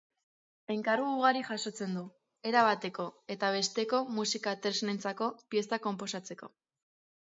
Enkargu ugari jasotzen du, era bateko eta besteko musika-tresnentzako piezak konposatzeko.